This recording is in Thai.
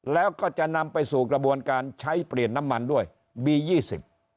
แล้วก็จะนำไปสู่กระบวนการใช้เปลี่ยนน้ำมันด้วยบียี่สิบ